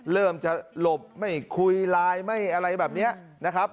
เริ่มจะหลบไม่คุยไลน์ไม่อะไรแบบนี้นะครับ